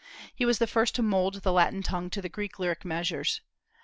He was the first to mould the Latin tongue to the Greek lyric measures.